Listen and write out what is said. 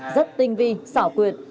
rất tinh vi xảo quyệt